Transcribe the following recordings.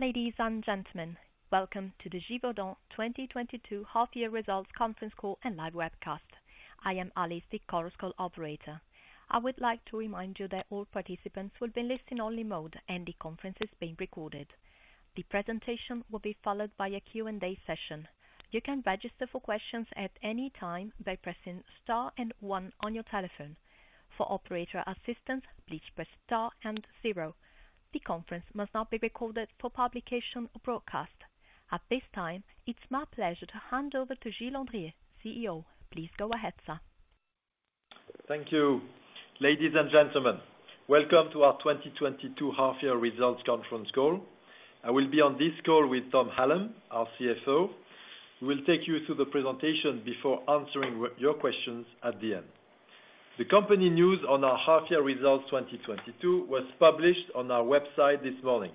Ladies and gentlemen, welcome to the Givaudan 2022 half year results conference call and live webcast. I am Alice, the Chorus Call operator. I would like to remind you that all participants will be in listen-only mode and the conference is being recorded. The presentation will be followed by a Q&A session. You can register for questions at any time by pressing star and one on your telephone. For operator assistance, please press star and zero. The conference must not be recorded for publication or broadcast. At this time, it's my pleasure to hand over to Gilles Andrier, CEO. Please go ahead, sir. Thank you. Ladies and gentlemen, welcome to our 2022 half year results conference call. I will be on this call with Tom Hallam, our CFO, who will take you through the presentation before answering your questions at the end. The company news on our half year results 2022 was published on our website this morning.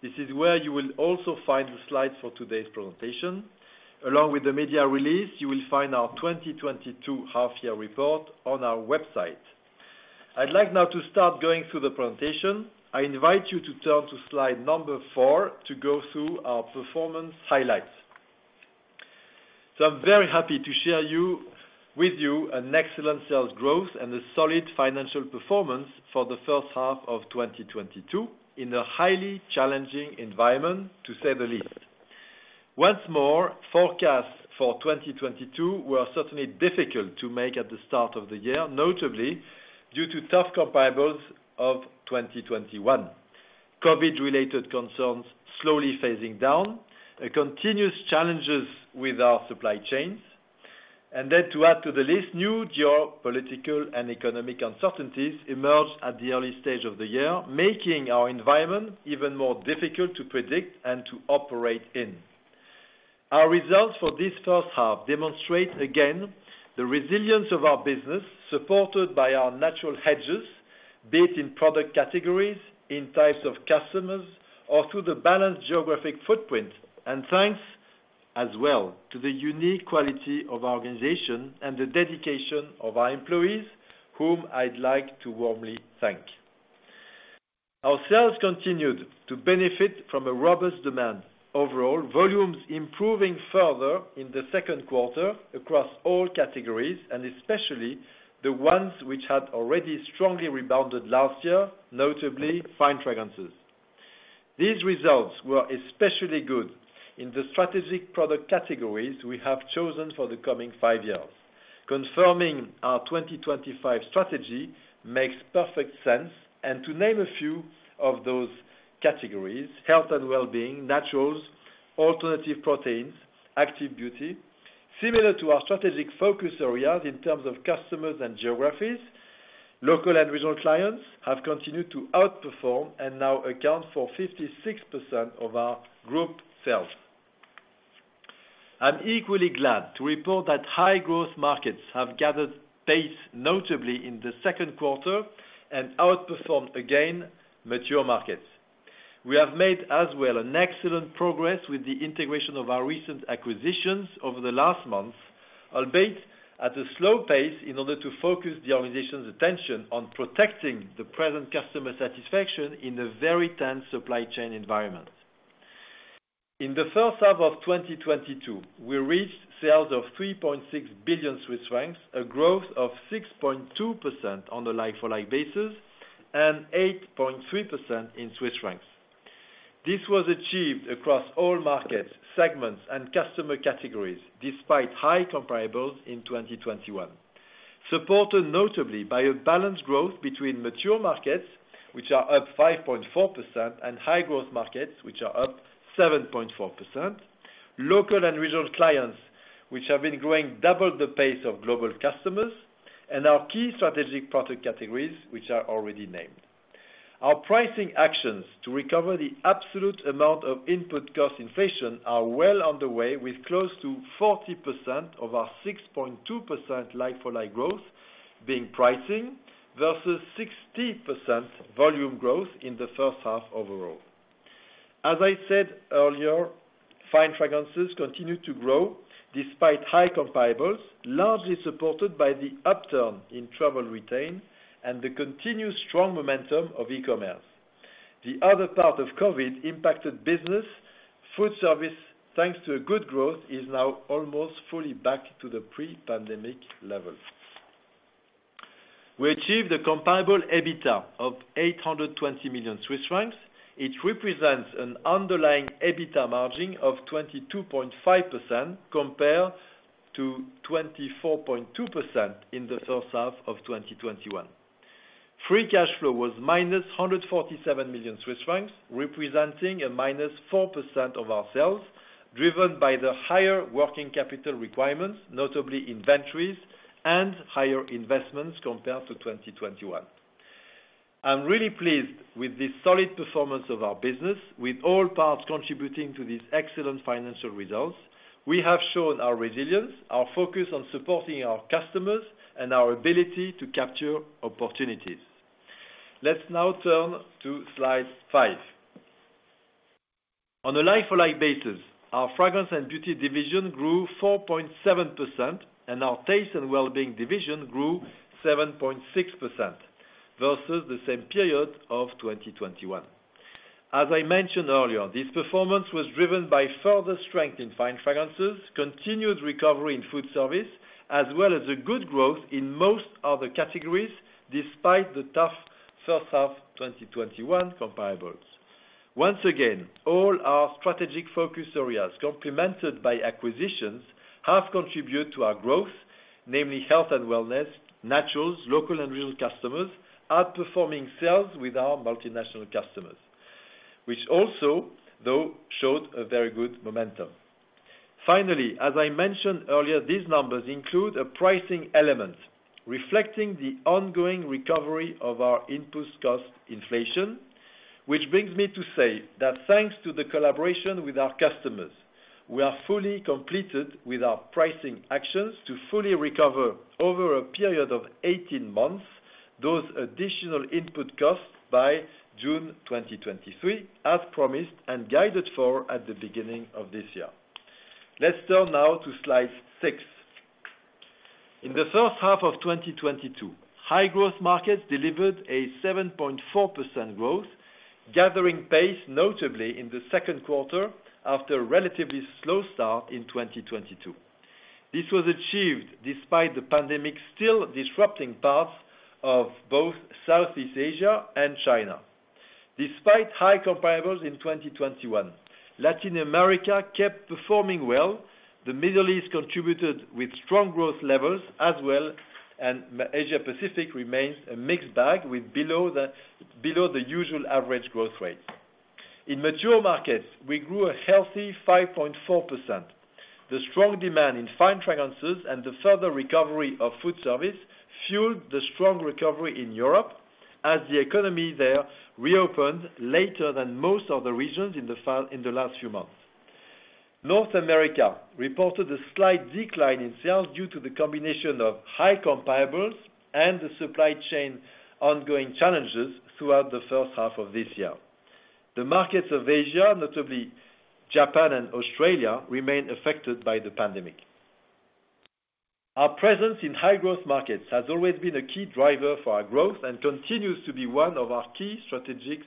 This is where you will also find the slides for today's presentation. Along with the media release, you will find our 2022 half year report on our website. I'd like now to start going through the presentation. I invite you to turn to slide number four to go through our performance highlights. I'm very happy to share with you an excellent sales growth and a solid financial performance for the first half of 2022 in a highly challenging environment, to say the least. Once more, forecasts for 2022 were certainly difficult to make at the start of the year, notably due to tough comparables of 2021. COVID-related concerns slowly phasing down, continuing challenges with our supply chains, and then to add to the list, new geopolitical and economic uncertainties emerged at the early stage of the year, making our environment even more difficult to predict and to operate in. Our results for this first half demonstrate, again, the resilience of our business, supported by our natural hedges, be it in product categories, in types of customers, or through the balanced geographic footprint, and thanks as well to the unique quality of our organization and the dedication of our employees, whom I'd like to warmly thank. Our sales continued to benefit from a robust demand. Overall, volumes improving further in the second quarter across all categories, and especially the ones which had already strongly rebounded last year, notably Fine Fragrances. These results were especially good in the strategic product categories we have chosen for the coming five years. Confirming our 2025 strategy makes perfect sense and to name a few of those categories, health and well-being, naturals, alternative proteins, Active Beauty. Similar to our strategic focus areas in terms of customers and geographies, local and regional clients have continued to outperform and now account for 56% of our group sales. I'm equally glad to report that high growth markets have gathered pace, notably in the second quarter and outperformed again mature markets. We have made as well an excellent progress with the integration of our recent acquisitions over the last months, albeit at a slow pace in order to focus the organization's attention on protecting the present customer satisfaction in a very tense supply chain environment. In the first half of 2022, we reached sales of 3.6 billion Swiss francs, a growth of 6.2% on a like-for-like basis, and 8.3% in Swiss francs. This was achieved across all markets, segments and customer categories, despite high comparables in 2021. Supported notably by a balanced growth between mature markets, which are up 5.4%, and high growth markets, which are up 7.4%. Local and regional clients, which have been growing double the pace of global customers, and our key strategic product categories, which are already named. Our pricing actions to recover the absolute amount of input cost inflation are well on the way, with close to 40% of our 6.2% like-for-like growth being pricing versus 60% volume growth in the first half overall. As I said earlier, Fine Fragrances continue to grow despite high comparables, largely supported by the upturn in travel retail and the continued strong momentum of e-commerce. The other part of COVID impacted business, food service, thanks to a good growth, is now almost fully back to the pre-pandemic levels. We achieved a comparable EBITDA of 820 million Swiss francs, which represents an underlying EBITDA margin of 22.5% compared to 24.2% in the first half of 2021. Free cash flow was -147 million Swiss francs, representing -4% of our sales, driven by the higher working capital requirements, notably inventories and higher investments compared to 2021. I'm really pleased with this solid performance of our business, with all parts contributing to these excellent financial results. We have shown our resilience, our focus on supporting our customers, and our ability to capture opportunities. Let's now turn to slide five. On a like-for-like basis, our Fragrance & Beauty division grew 4.7% and our Taste & Wellbeing division grew 7.6% versus the same period of 2021. As I mentioned earlier, this performance was driven by further strength in Fine Fragrances, continued recovery in food service, as well as a good growth in most other categories despite the tough first half of 2021 comparables. Once again, all our strategic focus areas, complemented by acquisitions, have contributed to our growth, namely health and wellness, naturals, local and regional customers, outperforming sales with our multinational customers, which also though showed a very good momentum. Finally, as I mentioned earlier, these numbers include a pricing element reflecting the ongoing recovery of our input cost inflation. Which brings me to say that thanks to the collaboration with our customers, we are fully completed with our pricing actions to fully recover over a period of 18 months, those additional input costs by June 2023, as promised and guided for at the beginning of this year. Let's turn now to slide six. In the first half of 2022, high growth markets delivered a 7.4% growth, gathering pace, notably in the second quarter after a relatively slow start in 2022. This was achieved despite the pandemic still disrupting parts of both Southeast Asia and China. Despite high comparables in 2021, Latin America kept performing well. The Middle East contributed with strong growth levels as well, and Asia Pacific remains a mixed bag with below the usual average growth rate. In mature markets, we grew a healthy 5.4%. The strong demand in Fine Fragrances and the further recovery of food service fueled the strong recovery in Europe as the economy there reopened later than most other regions in the last few months. North America reported a slight decline in sales due to the combination of high comparables and the ongoing supply chain challenges throughout the first half of this year. The markets of Asia, notably Japan and Australia, remain affected by the pandemic. Our presence in high growth markets has always been a key driver for our growth and continues to be one of our key strategies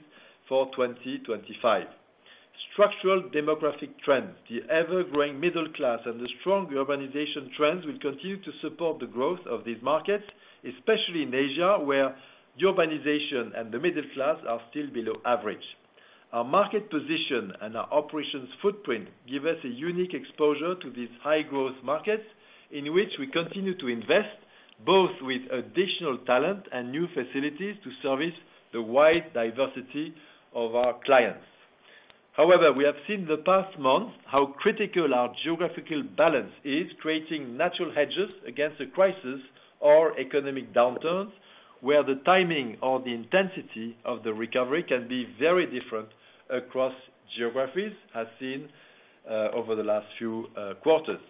for 2025. Structural demographic trends, the ever-growing middle class, and the strong urbanization trends will continue to support the growth of these markets, especially in Asia, where the urbanization and the middle class are still below average. Our market position and our operations footprint give us a unique exposure to these high growth markets in which we continue to invest, both with additional talent and new facilities to service the wide diversity of our clients. However, we have seen the past months how critical our geographical balance is, creating natural hedges against a crisis or economic downturns, where the timing or the intensity of the recovery can be very different across geographies, as seen over the last few quarters.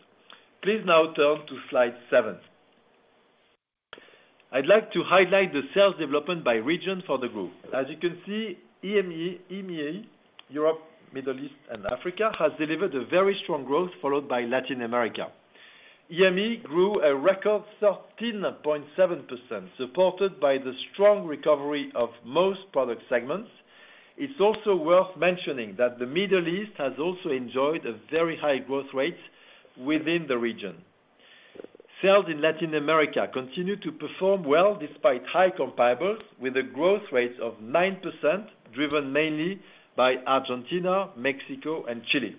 Please now turn to slide seven. I'd like to highlight the sales development by region for the group. As you can see, EMEA, Europe, Middle East and Africa, has delivered a very strong growth followed by Latin America. EMEA grew a record 13.7%, supported by the strong recovery of most product segments. It's also worth mentioning that the Middle East has also enjoyed a very high growth rate within the region. Sales in Latin America continue to perform well despite high comparables with a growth rate of 9%, driven mainly by Argentina, Mexico and Chile.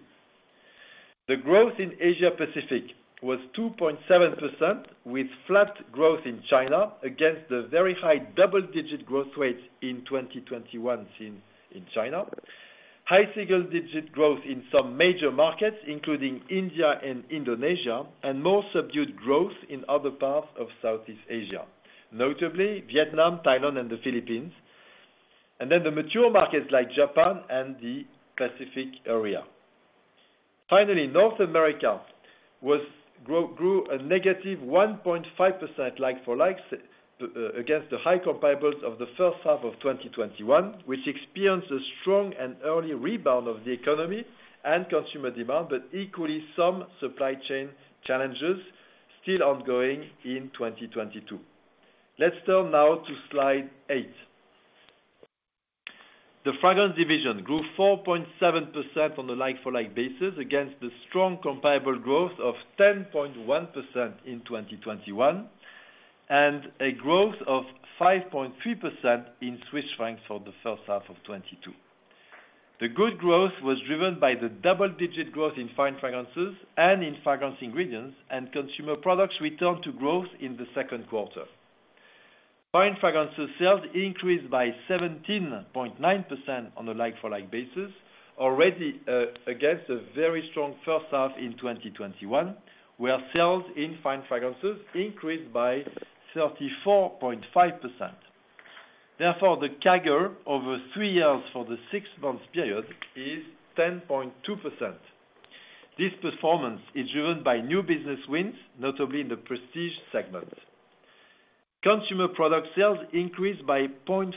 The growth in Asia Pacific was 2.7% with flat growth in China against the very high double-digit growth rates in 2021 as in China. High single-digit growth in some major markets, including India and Indonesia, and more subdued growth in other parts of Southeast Asia, notably Vietnam, Thailand and the Philippines, and then the mature markets like Japan and the Pacific area. North America grew -1.5% like-for-like against the high comparables of the first half of 2021, which experienced a strong and early rebound of the economy and consumer demand, but equally some supply chain challenges still ongoing in 2022. Let's turn now to slide eight. The Fragrance division grew 4.7% on the like-for-like basis against the strong comparable growth of 10.1% in 2021, and a growth of 5.3% in Swiss francs for the first half of 2022. The good growth was driven by the double-digit growth in Fine Fragrances and in Fragrance Ingredients, and Consumer Products returned to growth in the second quarter. Fine Fragrances sales increased by 17.9% on a like-for-like basis. Already, against a very strong first half in 2021, where sales in Fine Fragrances increased by 34.5%. Therefore, the CAGR over three years for the six-month period is 10.2%. This performance is driven by new business wins, notably in the prestige segment. Consumer Products sales increased by 0.4%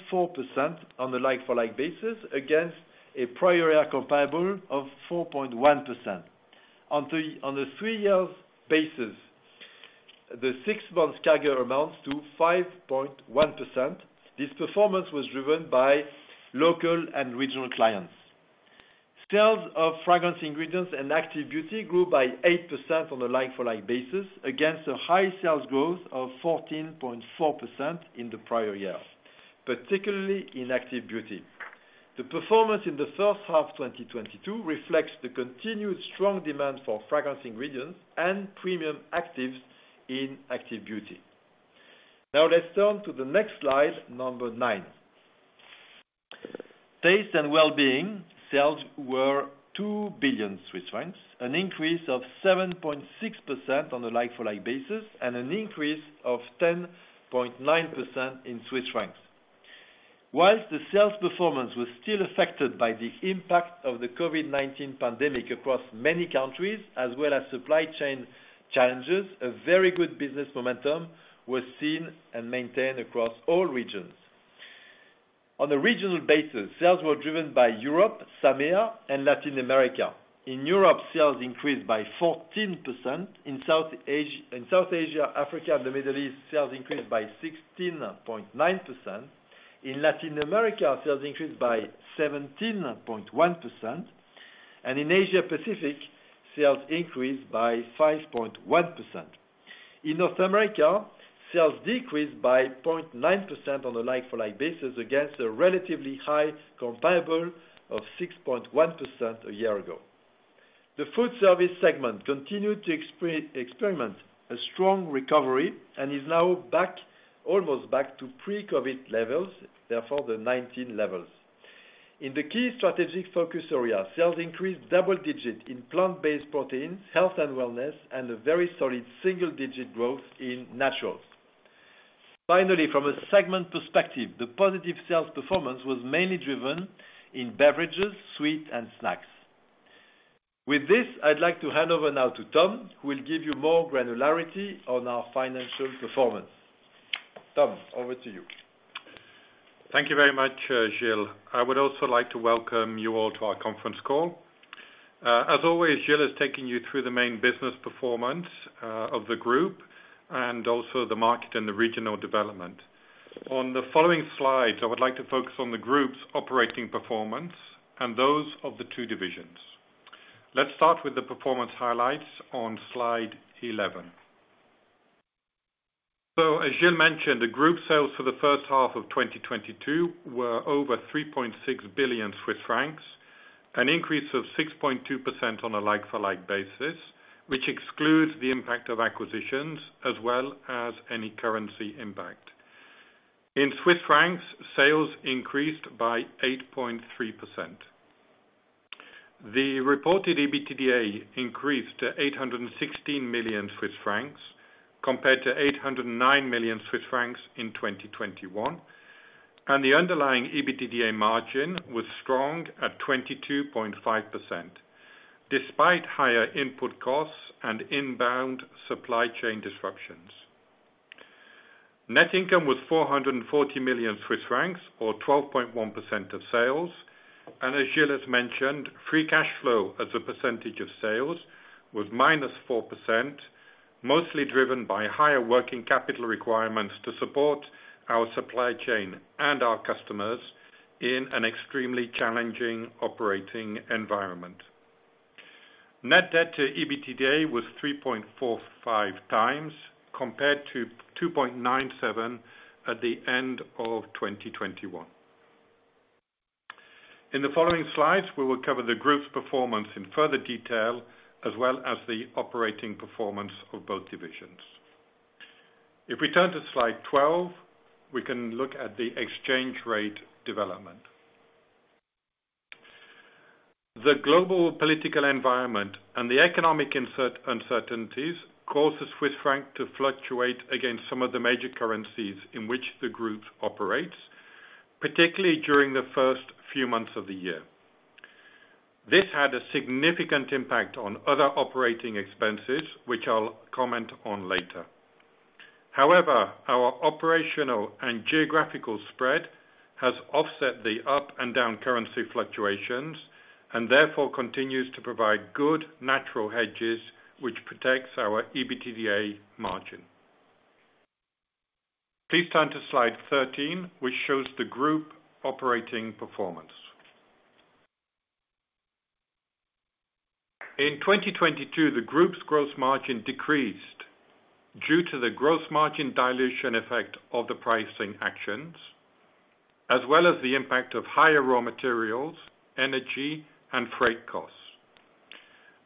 on the like-for-like basis against a prior year comparable of 4.1%. On the three-year basis, the six-month CAGR amounts to 5.1%. This performance was driven by local and regional clients. Sales of Fragrance Ingredients and Active Beauty grew by 8% on the like-for-like basis against a high sales growth of 14.4% in the prior years, particularly in Active Beauty. The performance in the first half 2022 reflects the continued strong demand for Fragrance Ingredients and premium actives in Active Beauty. Now let's turn to the next slide, number nine. Taste & Wellbeing sales were 2 billion Swiss francs, an increase of 7.6% on a like-for-like basis, and an increase of 10.9% in Swiss francs. While the sales performance was still affected by the impact of the COVID-19 pandemic across many countries, as well as supply chain challenges, a very good business momentum was seen and maintained across all regions. On a regional basis, sales were driven by Europe, SAMEA, and Latin America. In Europe, sales increased by 14%. In South Asia, Africa, and the Middle East, sales increased by 16.9%. In Latin America, sales increased by 17.1%, and in Asia-Pacific, sales increased by 5.1%. In North America, sales decreased by 0.9% on a like-for-like basis against a relatively high comparable of 6.1% a year ago. The food service segment continued to experience a strong recovery and is now almost back to pre-COVID levels, 2019 levels. In the key strategic focus area, sales increased double-digits in plant-based proteins, health and wellness, and a very solid single-digit growth in naturals. Finally, from a segment perspective, the positive sales performance was mainly driven in beverages, sweets, and snacks. With this, I'd like to hand over now to Tom, who will give you more granularity on our financial performance. Tom, over to you. Thank you very much, Gilles. I would also like to welcome you all to our conference call. As always, Gilles is taking you through the main business performance of the group and also the market and the regional development. On the following slides, I would like to focus on the group's operating performance and those of the two divisions. Let's start with the performance highlights on slide 11. As Gilles mentioned, the group sales for the first half of 2022 were over 3.6 billion Swiss francs, an increase of 6.2% on a like-for-like basis, which excludes the impact of acquisitions as well as any currency impact. In Swiss francs, sales increased by 8.3%. The reported EBITDA increased to 816 million Swiss francs compared to 809 million Swiss francs in 2021, and the underlying EBITDA margin was strong at 22.5%, despite higher input costs and inbound supply chain disruptions. Net income was 440 million Swiss francs or 12.1% of sales. As Gilles has mentioned, free cash flow as a percentage of sales was -4%, mostly driven by higher working capital requirements to support our supply chain and our customers in an extremely challenging operating environment. Net debt to EBITDA was 3.45x compared to 2.97x at the end of 2021. In the following slides, we will cover the group's performance in further detail, as well as the operating performance of both divisions. If we turn to slide 12, we can look at the exchange rate development. The global political environment and the economic uncertainties caused the Swiss franc to fluctuate against some of the major currencies in which the group operates, particularly during the first few months of the year. This had a significant impact on other operating expenses, which I'll comment on later. However, our operational and geographical spread has offset the up and down currency fluctuations and therefore continues to provide good natural hedges, which protects our EBITDA margin. Please turn to slide 13, which shows the group operating performance. In 2022, the group's gross margin decreased due to the gross margin dilution effect of the pricing actions, as well as the impact of higher raw materials, energy, and freight costs.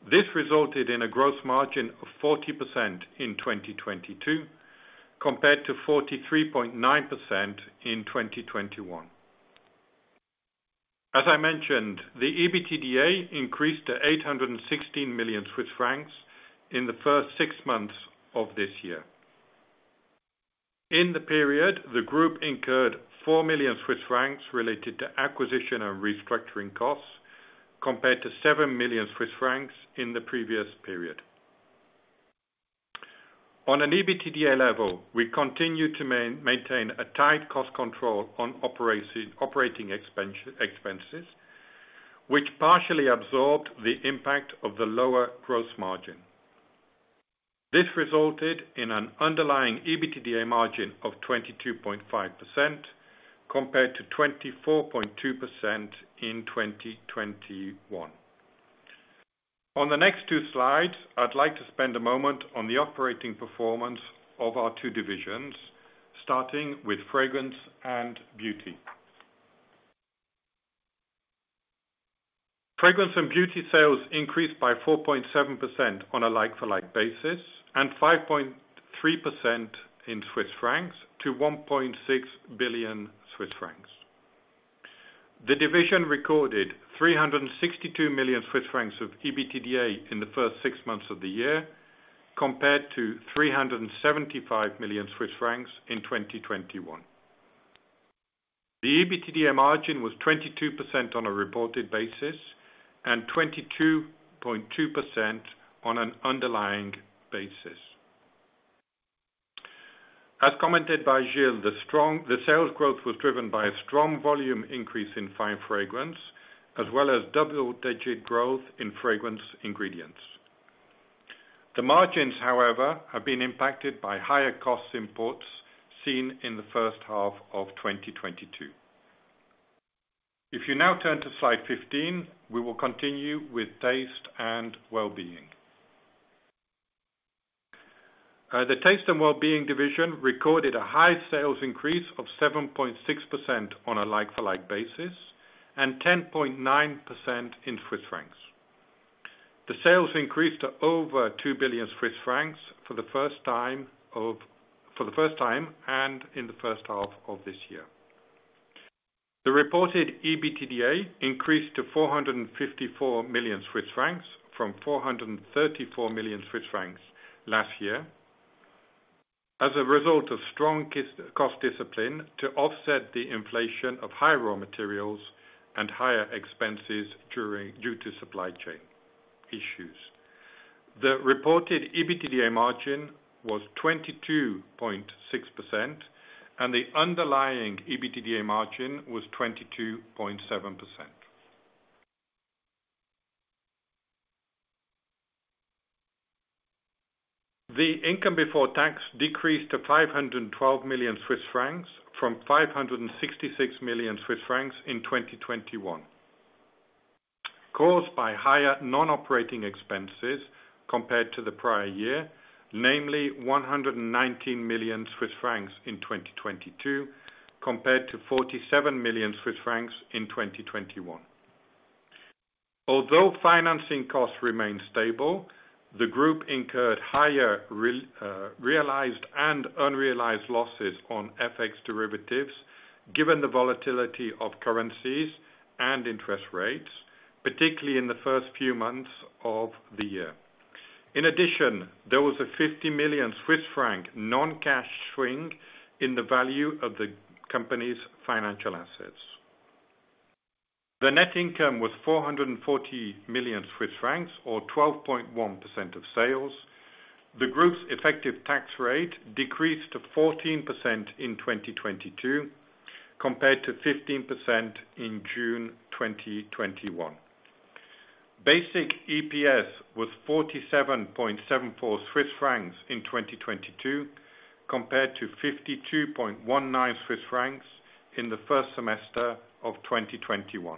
This resulted in a gross margin of 40% in 2022 compared to 43.9% in 2021. As I mentioned, the EBITDA increased to 816 million Swiss francs in the first six months of this year. In the period, the group incurred 4 million Swiss francs related to acquisition and restructuring costs compared to 7 million Swiss francs in the previous period. On an EBITDA level, we continue to maintain a tight cost control on operating expenses, which partially absorbed the impact of the lower gross margin. This resulted in an underlying EBITDA margin of 22.5% compared to 24.2% in 2021. On the next two slides, I'd like to spend a moment on the operating performance of our two divisions, starting with Fragrance & Beauty. Fragrance & Beauty sales increased by 4.7% on a like-for-like basis, and 5.3% in Swiss francs to 1.6 billion Swiss francs. The division recorded 362 million Swiss francs of EBITDA in the first six months of the year, compared to 375 million Swiss francs in 2021. The EBITDA margin was 22% on a reported basis and 22.2% on an underlying basis. As commented by Gilles, the sales growth was driven by a strong volume increase in Fine Fragrances as well as double-digit growth in Fragrance Ingredients. The margins, however, have been impacted by higher cost imports seen in the first half of 2022. If you now turn to slide 15, we will continue with Taste & Wellbeing. The Taste & Wellbeing division recorded a high sales increase of 7.6% on a like-for-like basis, and 10.9% in Swiss francs. The sales increased to over 2 billion Swiss francs for the first time and in the first half of this year. The reported EBITDA increased to 454 million Swiss francs from 434 million Swiss francs last year as a result of strong cost discipline to offset the inflation of higher raw materials and higher expenses due to supply chain issues. The reported EBITDA margin was 22.6%, and the underlying EBITDA margin was 22.7%. The income before tax decreased to 512 million Swiss francs from 566 million Swiss francs in 2021. Caused by higher non-operating expenses compared to the prior year, namely 119 million Swiss francs in 2022, compared to 47 million Swiss francs in 2021. Although financing costs remained stable, the group incurred higher realized and unrealized losses on FX derivatives, given the volatility of currencies and interest rates, particularly in the first few months of the year. In addition, there was a 50 million Swiss franc non-cash swing in the value of the company's financial assets. The net income was 440 million Swiss francs or 12.1% of sales. The group's effective tax rate decreased to 14% in 2022 compared to 15% in June 2021. Basic EPS was 47.74 Swiss francs in 2022 compared to 52.19 Swiss francs in the first semester of 2021.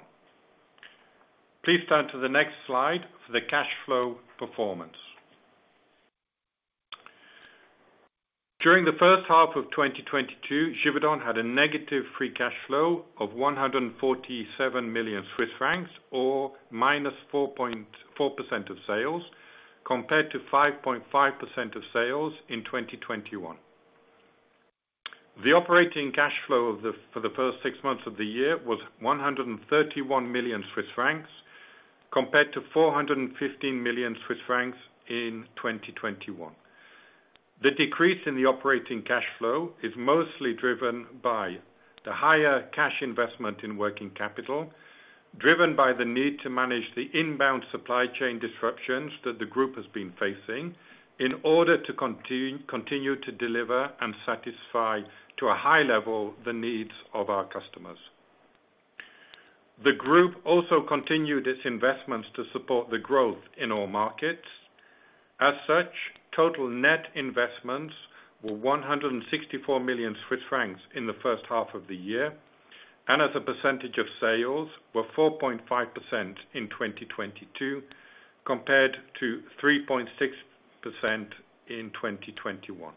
Please turn to the next slide for the cash flow performance. During the first half of 2022, Givaudan had a negative free cash flow of 147 million Swiss francs or -4.4% of sales, compared to 5.5% of sales in 2021. The operating cash flow for the first six months of the year was 131 million Swiss francs, compared to 415 million Swiss francs in 2021. The decrease in the operating cash flow is mostly driven by the higher cash investment in working capital, driven by the need to manage the inbound supply chain disruptions that the group has been facing in order to continue to deliver and satisfy to a high level the needs of our customers. The group also continued its investments to support the growth in all markets. As such, total net investments were 164 million Swiss francs in the first half of the year, and as a percentage of sales were 4.5% in 2022 compared to 3.6% in 2021.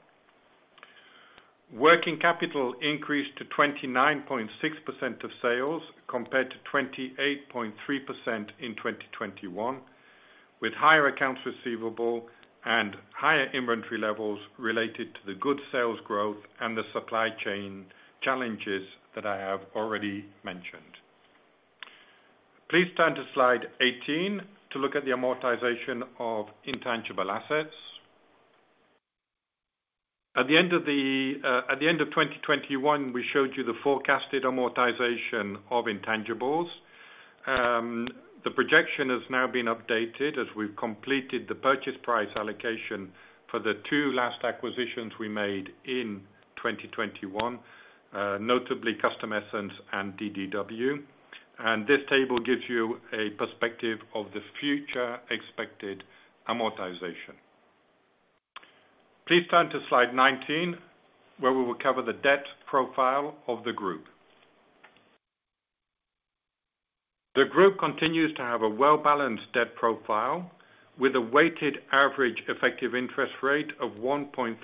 Working capital increased to 29.6% of sales, compared to 28.3% in 2021, with higher accounts receivable and higher inventory levels related to the good sales growth and the supply chain challenges that I have already mentioned. Please turn to slide 18 to look at the amortization of intangible assets. At the end of 2021, we showed you the forecasted amortization of intangibles. The projection has now been updated as we've completed the purchase price allocation for the two last acquisitions we made in 2021, notably Custom Essence and DDW. This table gives you a perspective of the future expected amortization. Please turn to slide 19, where we will cover the debt profile of the group. The group continues to have a well-balanced debt profile with a weighted average effective interest rate of 1.34%,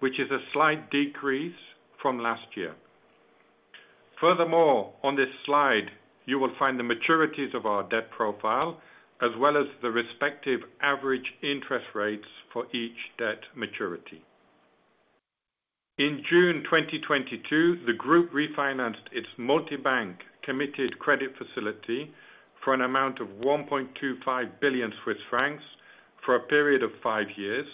which is a slight decrease from last year. Furthermore, on this slide, you will find the maturities of our debt profile, as well as the respective average interest rates for each debt maturity. In June 2022, the group refinanced its multibank committed credit facility for an amount of 1.25 billion Swiss francs for a period of five years,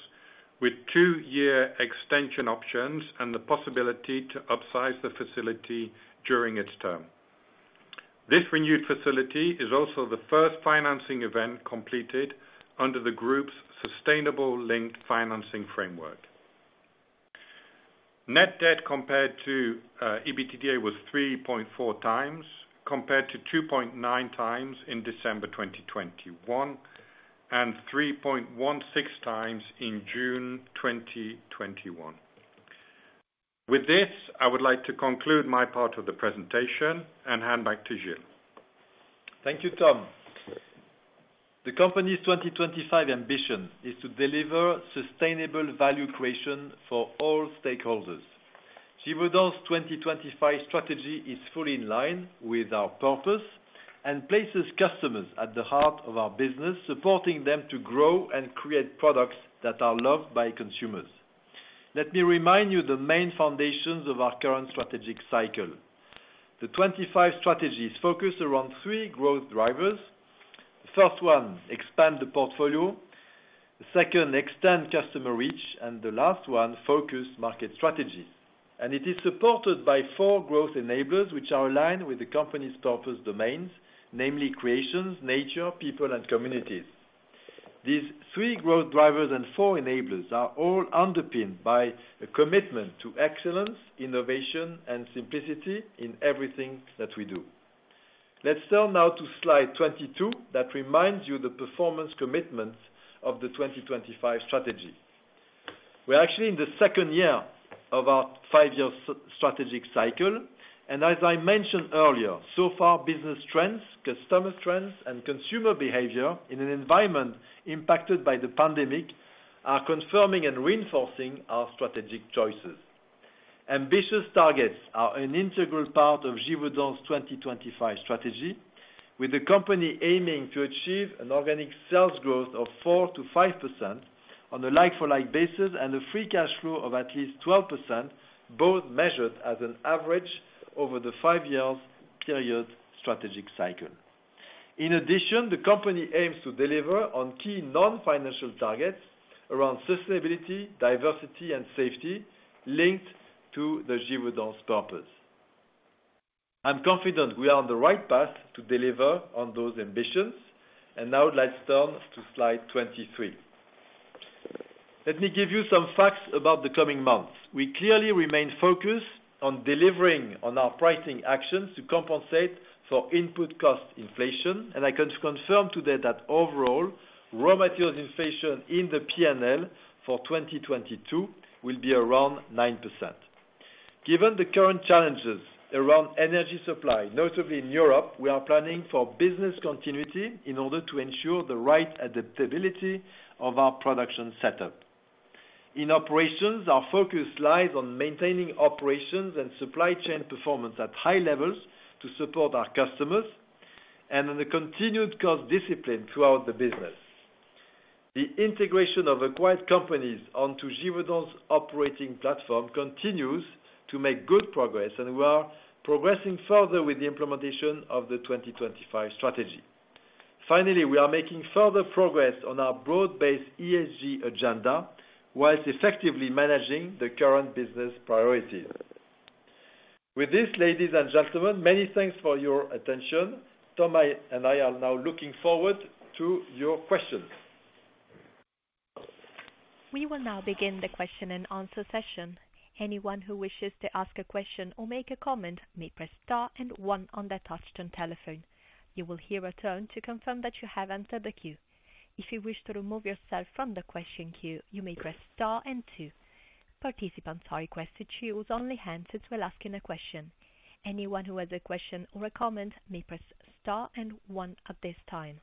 with two-year extension options and the possibility to upsize the facility during its term. This renewed facility is also the first financing event completed under the group's sustainable linked financing framework. Net debt compared to EBITDA was 3.4x, compared to 2.9x in December 2021, and 3.16x in June 2021. With this, I would like to conclude my part of the presentation and hand back to Gilles. Thank you, Tom. The company's 2025 ambition is to deliver sustainable value creation for all stakeholders. Givaudan's 2025 strategy is fully in line with our purpose and places customers at the heart of our business, supporting them to grow and create products that are loved by consumers. Let me remind you the main foundations of our current strategic cycle. The 25 strategy is focused around three growth drivers. The first one, expand the portfolio, the second, extend customer reach, and the last one, focus market strategies. It is supported by four growth enablers which are aligned with the company's purpose domains, namely creations, nature, people, and communities. These three growth drivers and four enablers are all underpinned by a commitment to excellence, innovation, and simplicity in everything that we do. Let's turn now to slide 22, that reminds you the performance commitments of the 2025 strategy. We're actually in the second year of our five-year strategic cycle, and as I mentioned earlier, so far, business trends, customer trends, and consumer behavior in an environment impacted by the pandemic are confirming and reinforcing our strategic choices. Ambitious targets are an integral part of Givaudan's 2025 strategy, with the company aiming to achieve an organic sales growth of 4%-5% on a like-for-like basis and a free cash flow of at least 12%, both measured as an average over the five years period strategic cycle. In addition, the company aims to deliver on key non-financial targets around sustainability, diversity, and safety linked to Givaudan's purpose. I'm confident we are on the right path to deliver on those ambitions. Now let's turn to slide 23. Let me give you some facts about the coming months. We clearly remain focused on delivering on our pricing actions to compensate for input cost inflation. I can confirm today that overall, raw material inflation in the P&L for 2022 will be around 9%. Given the current challenges around energy supply, notably in Europe, we are planning for business continuity in order to ensure the right adaptability of our production setup. In operations, our focus lies on maintaining operations and supply chain performance at high levels to support our customers and on a continued cost discipline throughout the business. The integration of acquired companies onto Givaudan's operating platform continues to make good progress, and we are progressing further with the implementation of the 2025 strategy. Finally, we are making further progress on our broad-based ESG agenda whilst effectively managing the current business priorities. With this, ladies and gentlemen, many thanks for your attention. Tom and I are now looking forward to your questions. We will now begin the question-and-answer session. Anyone who wishes to ask a question or make a comment may press star and one on their touch-tone telephone. You will hear a tone to confirm that you have entered the queue. If you wish to remove yourself from the question queue, you may press star and two. Participants are requested to use only the handset to ask a question. Anyone who has a question or a comment may press star and one at this time.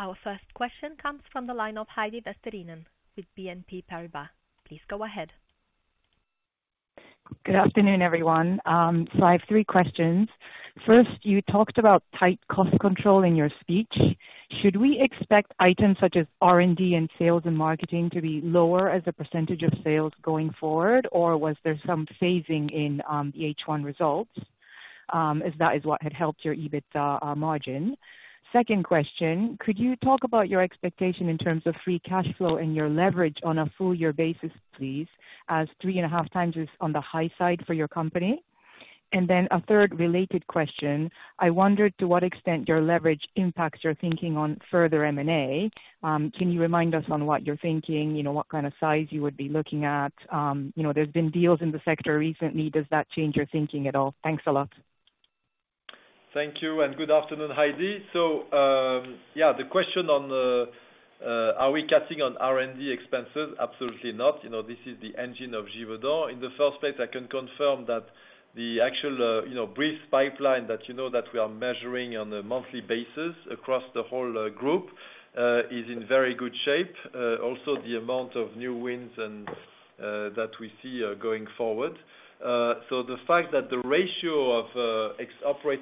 Our first question comes from the line of Heidi Vesterinen with BNP Paribas. Please go ahead. Good afternoon, everyone. I have three questions. First, you talked about tight cost control in your speech. Should we expect items such as R&D and sales and marketing to be lower as a percentage of sales going forward, or was there some phasing in the H1 results, as that is what had helped your EBITDA margin. Second question, could you talk about your expectation in terms of free cash flow and your leverage on a full year basis, please, as 3.5x is on the high side for your company. Third related question, I wondered to what extent your leverage impacts your thinking on further M&A. Can you remind us on what you're thinking? You know, what kind of size you would be looking at? You know there's been deals in the sector recently. Does that change your thinking at all? Thanks a lot. Thank you and good afternoon, Heidi. Yeah, the question on are we cutting on R&D expenses, absolutely not. You know, this is the engine of Givaudan. In the first place, I can confirm that the actual you know brief pipeline that you know that we are measuring on a monthly basis across the whole group is in very good shape. Also the amount of new wins and that we see going forward. The fact that the ratio of OpEx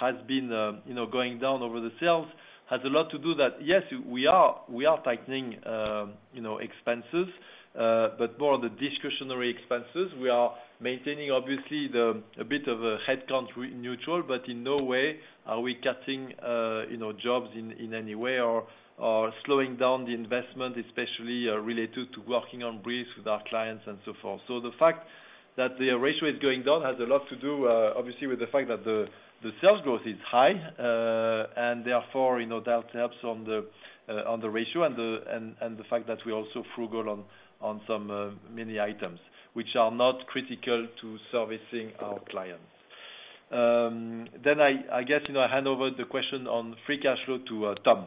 has been you know going down over the sales has a lot to do with that, yes, we are tightening you know expenses, but more the discretionary expenses. We are maintaining obviously a bit of a headcount neutral, but in no way are we cutting jobs in any way or slowing down the investment, especially related to working on briefs with our clients and so forth. The fact that the ratio is going down has a lot to do obviously with the fact that the sales growth is high, and therefore you know that helps on the ratio and the fact that we're also frugal on some many items which are not critical to servicing our clients. I guess you know I hand over the question on free cash flow to Tom.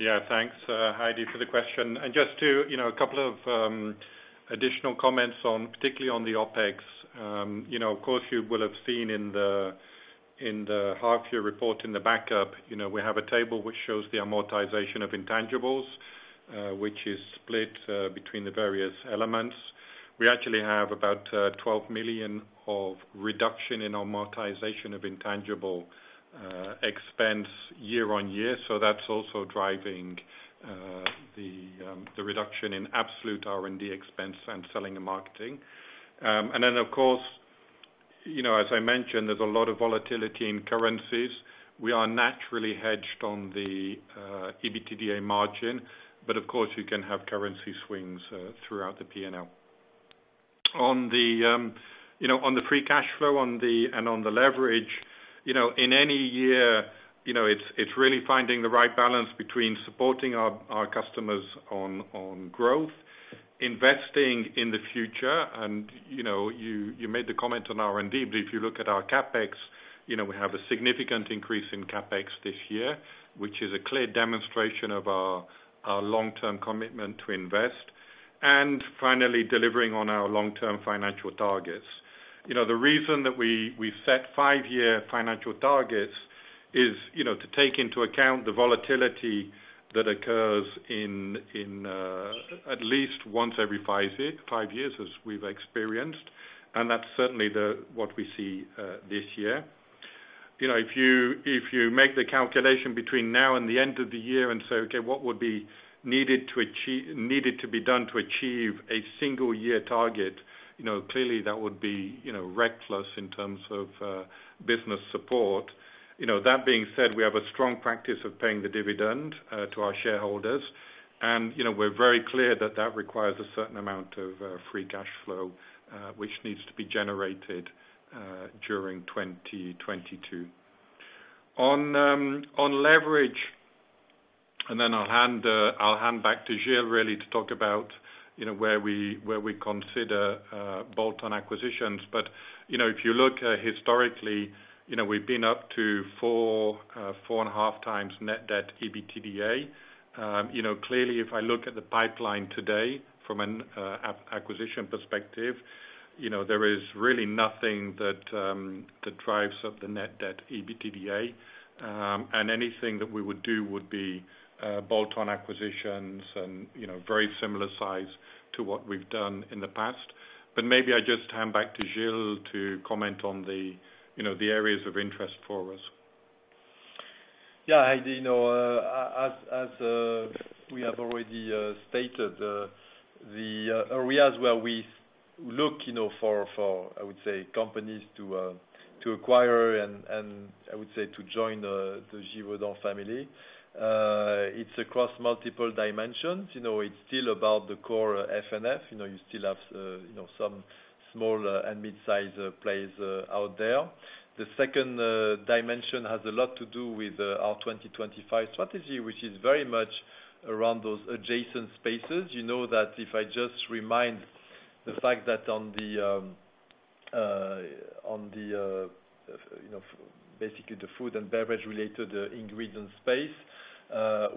Yeah, thanks, Heidi, for the question. Just to, you know, a couple of additional comments on, particularly on the OpEx. You know, of course, you will have seen in the half year report in the backup, you know, we have a table which shows the amortization of intangibles, which is split between the various elements. We actually have about 12 million of reduction in amortization of intangible expense year-on-year. That's also driving the reduction in absolute R&D expense and selling and marketing. Of course, you know, as I mentioned, there's a lot of volatility in currencies. We are naturally hedged on the EBITDA margin. Of course, you can have currency swings throughout the P&L. On the free cash flow and on the leverage, you know, in any year, you know, it's really finding the right balance between supporting our customers on growth, investing in the future. You know, you made the comment on R&D, but if you look at our CapEx, you know, we have a significant increase in CapEx this year, which is a clear demonstration of our long-term commitment to invest, and finally delivering on our long-term financial targets. You know, the reason that we set five-year financial targets is, you know, to take into account the volatility that occurs at least once every five years as we've experienced, and that's certainly what we see this year. You know, if you make the calculation between now and the end of the year and say, "Okay, what would be needed to be done to achieve a single year target?" You know, clearly that would be, you know, reckless in terms of business support. You know, that being said, we have a strong practice of paying the dividend to our shareholders. You know, we're very clear that that requires a certain amount of free cash flow, which needs to be generated during 2022. On leverage, and then I'll hand back to Gilles really to talk about, you know, where we consider bolt-on acquisitions. You know, if you look historically, you know, we've been up to 4.5x net debt EBITDA. You know, clearly if I look at the pipeline today from an acquisition perspective, you know, there is really nothing that drives up the net debt EBITDA. Anything that we would do would be bolt-on acquisitions and, you know, very similar size to what we've done in the past. Maybe I just hand back to Gilles to comment on the, you know, the areas of interest for us. Yeah, Heidi, you know, as we have already stated, the areas where we look, you know, for, I would say, companies to acquire and I would say to join the Givaudan family, it's across multiple dimensions. You know, it's still about the core F&F. You know, you still have, you know, some small and mid-size players out there. The second dimension has a lot to do with our 2025 strategy, which is very much around those adjacent spaces. You know that if I just remind the fact that on the, you know, basically the food and beverage related ingredient space,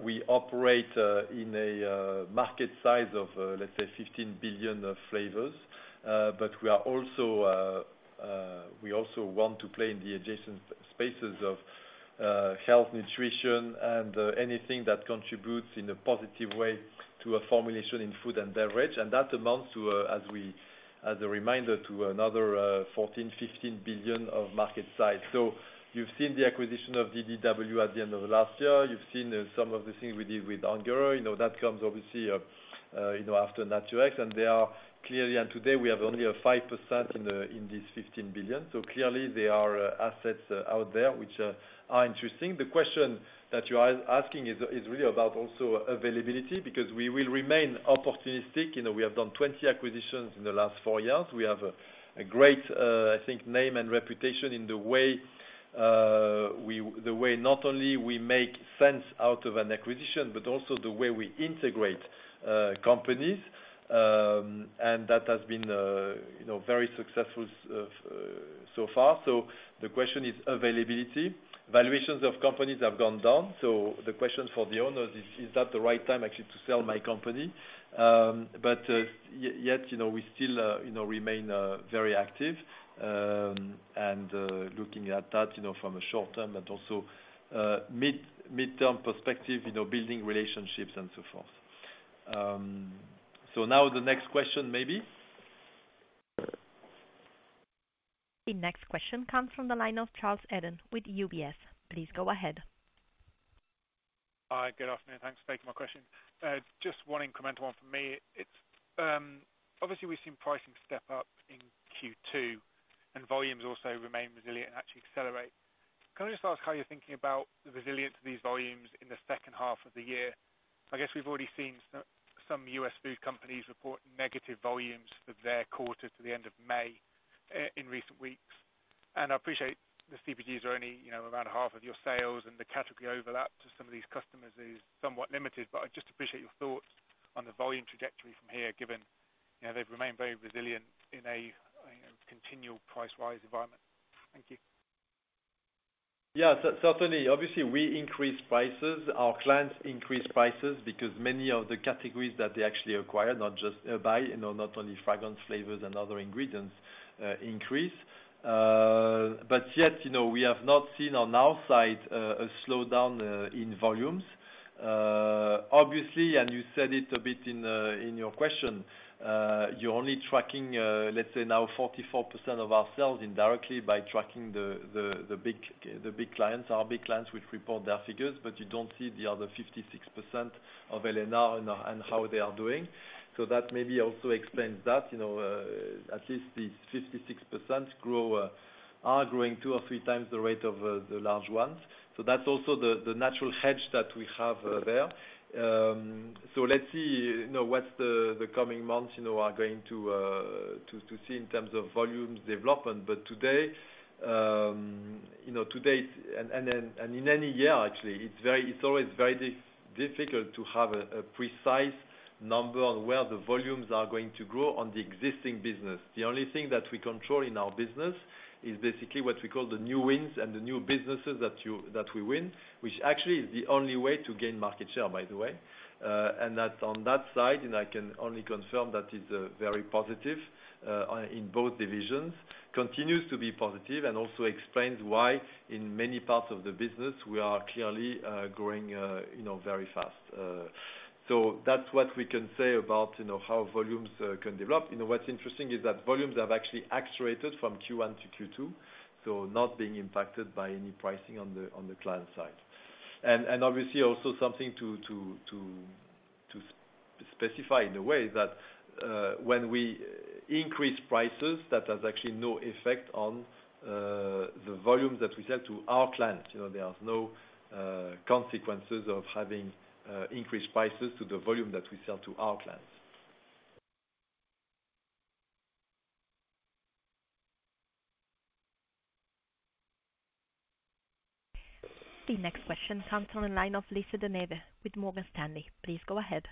we operate in a market size of, let's say 15 billion of flavors. We also want to play in the adjacent spaces of health, nutrition, and anything that contributes in a positive way to a formulation in food and beverage. That amounts to, as a reminder, another 14 billion-15 billion of market size. You've seen the acquisition of DDW at the end of last year. You've seen some of the things we did with Ungerer, you know, that comes obviously, you know, after Naturex. They are clearly. Today, we have only a 5% in this 15 billion. Clearly there are assets out there which are interesting. The question that you are asking is really about also availability, because we will remain opportunistic. You know, we have done 20 acquisitions in the last four years. We have a great, I think, name and reputation in the way, the way not only we make sense out of an acquisition, but also the way we integrate companies. That has been, you know, very successful so far. The question is availability. Valuations of companies have gone down. The question for the owners is that the right time actually to sell my company? Yet, you know, we still, you know, remain very active, and looking at that, you know, from a short-term but also, mid-term perspective, you know, building relationships and so forth. Now the next question, maybe. The next question comes from the line of Charles Eden with UBS. Please go ahead. Hi. Good afternoon. Thanks for taking my question. Just one incremental one from me. It's obviously we've seen pricing step up in Q2, and volumes also remain resilient and actually accelerate. Can I just ask how you're thinking about the resilience of these volumes in the second half of the year? I guess we've already seen some US food companies report negative volumes for their quarter to the end of May in recent weeks. I appreciate the CPG are only, you know, about half of your sales, and the category overlap to some of these customers is somewhat limited. I appreciate your thoughts on the volume trajectory from here, given, you know, they've remained very resilient in a, you know, continual price rise environment. Thank you. Yeah. Certainly. Obviously, we increase prices. Our clients increase prices because many of the categories that they actually acquire, not just buy, you know, not only fragrance, flavors, and other ingredients, increase. But yet, you know, we have not seen on our side a slowdown in volumes. Obviously, and you said it a bit in your question, you're only tracking, let's say now 44% of our sales indirectly by tracking the big clients. Our big clients will report their figures, but you don't see the other 56% of L&R and how they are doing. So that maybe also explains that, you know, at least the 56% are growing 2x or 3x the rate of the large ones. That's also the natural hedge that we have there. Let's see, you know, what's the coming months, you know, are going to to see in terms of volumes development. Today, you know, today and in any year, actually, it's always very difficult to have a precise number on where the volumes are going to grow on the existing business. The only thing that we control in our business is basically what we call the new wins and the new businesses that we win, which actually is the only way to gain market share, by the way. That's on that side, and I can only confirm that it's very positive in both divisions, continues to be positive and also explains why in many parts of the business, we are clearly growing, you know, very fast. That's what we can say about, you know, how volumes can develop. You know, what's interesting is that volumes have actually accelerated from Q1 to Q2, so not being impacted by any pricing on the client side. Obviously also something to specify in a way that when we increase prices, that has actually no effect on the volume that we sell to our clients. You know, there is no consequences of having increased prices to the volume that we sell to our clients. The next question comes from the line of Lisa De Neve with Morgan Stanley. Please go ahead.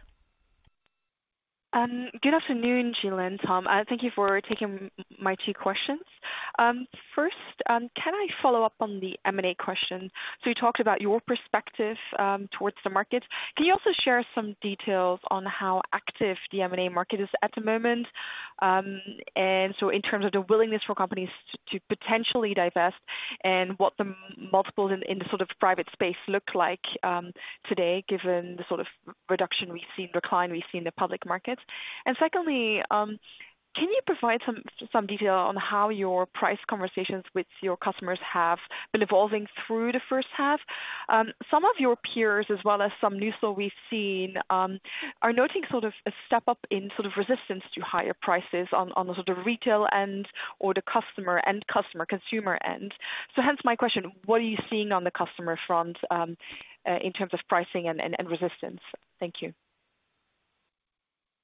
Good afternoon, Gilles and Tom. Thank you for taking my two questions. First, can I follow up on the M&A question? You talked about your perspective towards the market. Can you also share some details on how active the M&A market is at the moment, and so in terms of the willingness for companies to potentially divest and what the multiples in the sort of private space look like today, given the sort of reduction we've seen, decline we've seen in the public markets? And secondly, can you provide some detail on how your price conversations with your customers have been evolving through the first half? Some of your peers, as well as some news that we've seen, are noting sort of a step-up in sort of resistance to higher prices on the sort of retail end or the customer consumer end. Hence my question, what are you seeing on the customer front, in terms of pricing and resistance? Thank you.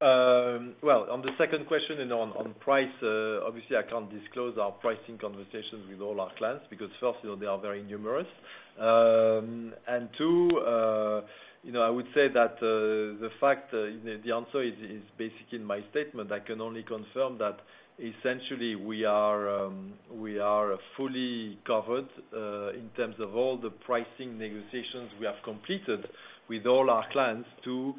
Well, on the second question and on price, obviously, I can't disclose our pricing conversations with all our clients because first, you know, they are very numerous, and two, you know, I would say that, you know, the answer is basically in my statement. I can only confirm that essentially, we are fully covered in terms of all the pricing negotiations we have completed with all our clients to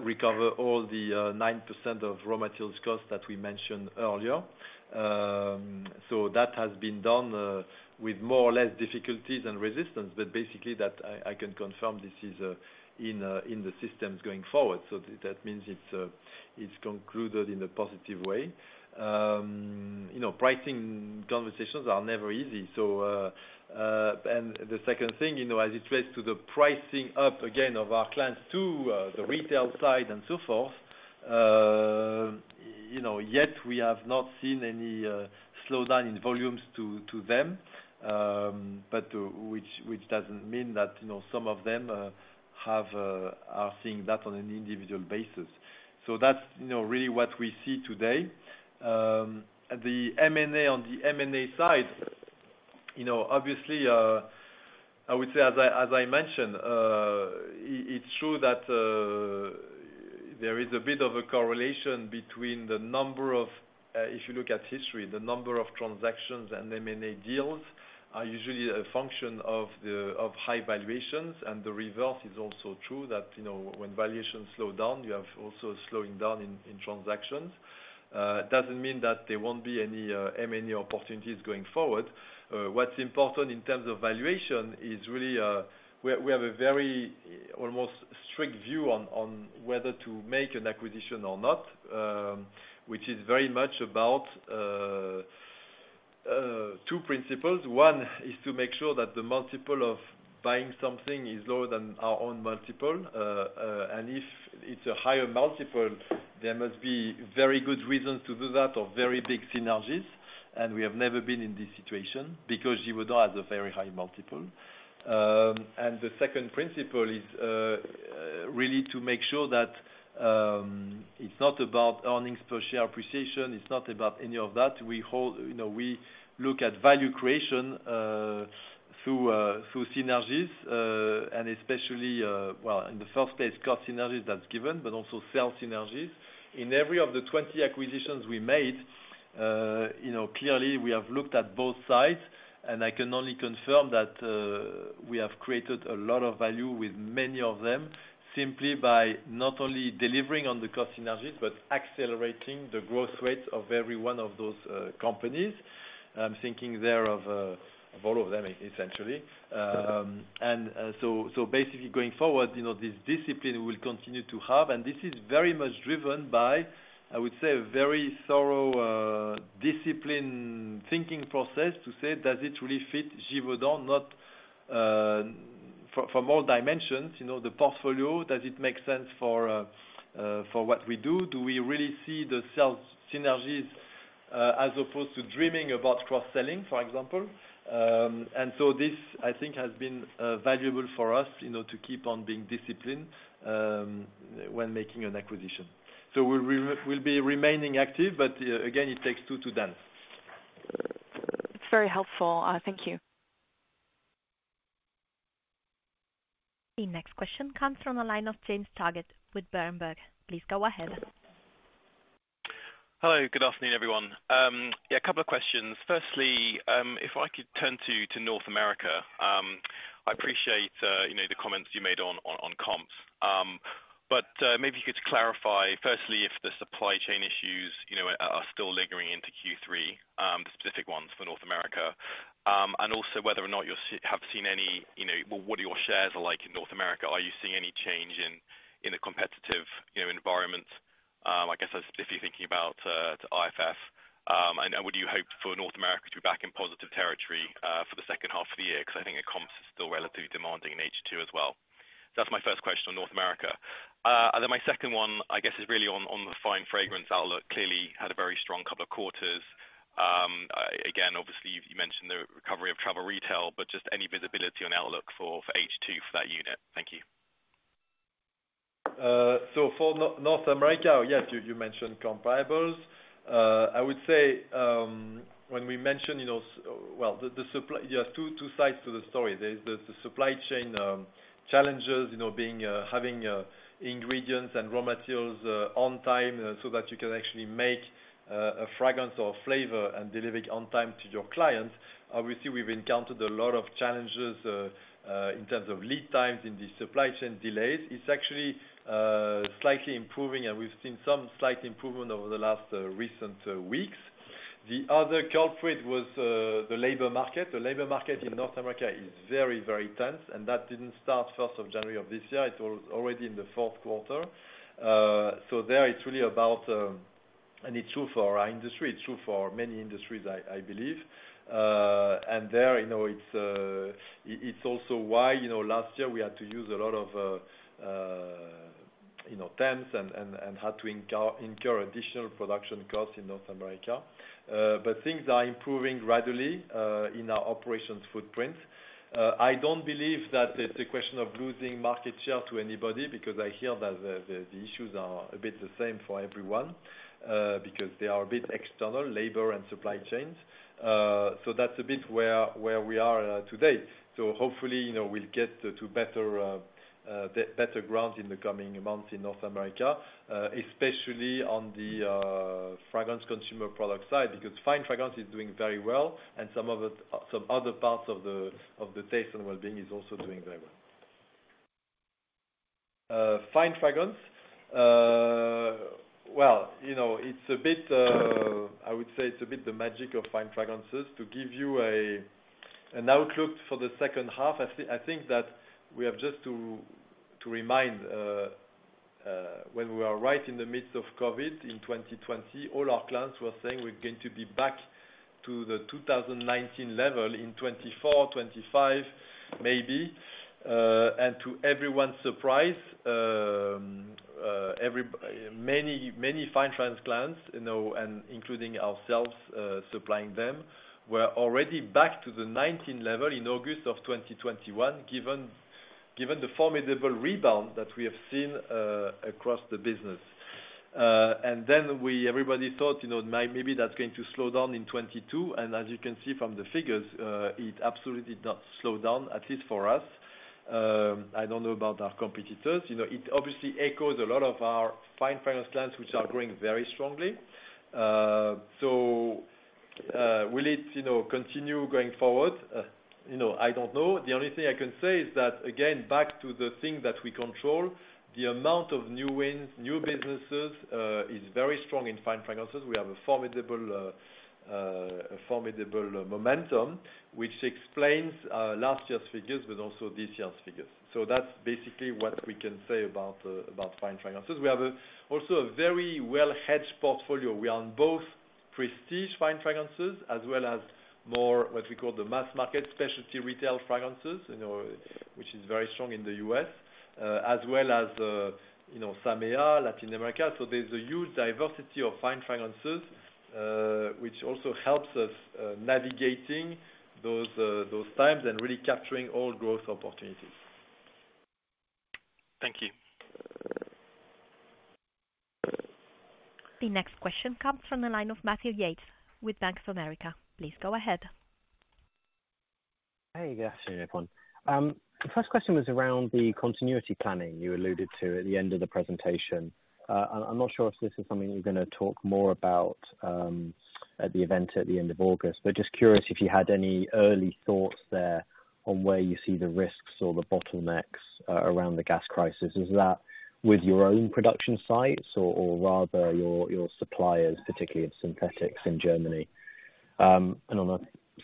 recover all the 9% of raw materials cost that we mentioned earlier. That has been done with more or less difficulties and resistance, but basically, I can confirm this is in the systems going forward. That means it's concluded in a positive way. You know, pricing conversations are never easy. And the second thing, you know, as it relates to the pricing up again of our clients to the retail side and so forth, you know, yet we have not seen any slowdown in volumes to them. Which doesn't mean that, you know, some of them have are seeing that on an individual basis. That's, you know, really what we see today. The M&A, on the M&A side, you know, obviously, I would say as I mentioned, it's true that there is a bit of a correlation between the number of, if you look at history, the number of transactions and M&A deals are usually a function of high valuations. The reverse is also true that, you know, when valuations slow down, you have also slowing down in transactions. It doesn't mean that there won't be any M&A opportunities going forward. What's important in terms of valuation is really, we have a very almost strict view on whether to make an acquisition or not, which is very much about two principles. One is to make sure that the multiple of buying something is lower than our own multiple. If it's a higher multiple, there must be very good reasons to do that or very big synergies, and we have never been in this situation because Givaudan has a very high multiple. The second principle is really to make sure that it's not about earnings per share appreciation, it's not about any of that. You know, we look at value creation through synergies, and especially, well, in the first place, cost synergies, that's given, but also sales synergies. In every one of the 20 acquisitions we made, you know, clearly we have looked at both sides, and I can only confirm that we have created a lot of value with many of them, simply by not only delivering on the cost synergies, but accelerating the growth rate of every one of those companies. I'm thinking there of all of them, essentially. Basically going forward, you know, this discipline we'll continue to have, and this is very much driven by, I would say, a very thorough, disciplined thinking process to say, does it really fit Givaudan? Not from all dimensions, you know, the portfolio, does it make sense for what we do? Do we really see the sales synergies as opposed to dreaming about cross-selling, for example? This, I think, has been valuable for us, you know, to keep on being disciplined when making an acquisition. We'll be remaining active, but again, it takes two to dance. It's very helpful. Thank you. The next question comes from a line of James Targett with Berenberg. Please go ahead. Hello. Good afternoon, everyone. Yeah, a couple of questions. Firstly, if I could turn to North America. I appreciate, you know, the comments you made on comps. Maybe you could clarify, firstly, if the supply chain issues, you know, are still lingering into Q3, the specific ones for North America. Also whether or not you have seen any, you know, well, what are your shares like in North America. Are you seeing any change in a competitive, you know, environment? I guess that's specifically thinking about IFF. Would you hope for North America to be back in positive territory for the second half of the year? 'Cause I think the comp is still relatively demanding in H2 as well. That's my first question on North America. My second one, I guess, is really on the Fine Fragrances outlook. Clearly had a very strong couple of quarters. Again, obviously you've mentioned the recovery of travel retail, but just any visibility on outlook for H2 for that unit. Thank you. For North America, yes, you mentioned comparables. I would say, when we mention, you know. There are two sides to the story. There is the supply chain challenges, you know, being having ingredients and raw materials on time so that you can actually make a fragrance or flavor and deliver it on time to your clients. Obviously, we've encountered a lot of challenges in terms of lead times in the supply chain delays. It's actually slightly improving and we've seen some slight improvement over the last recent weeks. The other culprit was the labor market. The labor market in North America is very, very tense, and that didn't start first of January of this year. It was already in the fourth quarter. There, it's really about. It's true for our industry, it's true for many industries, I believe. There, you know, it's also why, you know, last year we had to use a lot of, you know, temps and had to incur additional production costs in North America. Things are improving gradually in our operations footprint. I don't believe that it's a question of losing market share to anybody because I hear that the issues are a bit the same for everyone, because they are a bit external, labor and supply chains. That's a bit where we are today. Hopefully, you know, we'll get to better ground in the coming months in North America, especially on the Fragrance Consumer Products side, because Fine Fragrances is doing very well and some other parts of the Taste & Wellbeing is also doing very well. Fine Fragrances. Well, you know, it's a bit, I would say it's a bit the magic of Fine Fragrances. To give you an outlook for the second half, I think that we have just to remind when we are right in the midst of COVID in 2020, all our clients were saying we're going to be back to the 2019 level in 2024, 2025 maybe. To everyone's surprise, many Fine Fragrance clients, you know, and including ourselves, supplying them, were already back to the 2019 level in August of 2021, given the formidable rebound that we have seen across the business. Everybody thought, you know, maybe that's going to slow down in 2022. As you can see from the figures, it absolutely did not slow down, at least for us. I don't know about our competitors. You know, it obviously echoes a lot of our Fine Fragrance clients, which are growing very strongly. So, will it, you know, continue going forward? You know, I don't know. The only thing I can say is that, again, back to the thing that we control, the amount of new wins, new businesses, is very strong in Fine Fragrances. We have a formidable momentum, which explains last year's figures but also this year's figures. That's basically what we can say about about Fine Fragrances. We have also a very well-hedged portfolio. We are on both prestige Fine Fragrances as well as more what we call the mass market specialty retail fragrances, you know, which is very strong in the U.S., as well as, you know, SAMEA, Latin America. There's a huge diversity of Fine Fragrances, which also helps us navigating those times and really capturing all growth opportunities. Thank you. The next question comes from the line of Matthew Yates with Bank of America. Please go ahead. Hey, guys. Good afternoon, everyone. The first question was around the continuity planning you alluded to at the end of the presentation. I'm not sure if this is something you're gonna talk more about at the event at the end of August. Just curious if you had any early thoughts there on where you see the risks or the bottlenecks around the gas crisis. Is that with your own production sites or rather your suppliers, particularly of synthetics in Germany? On a